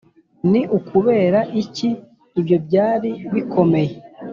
ni ukubera iki ibyo byari bikomeye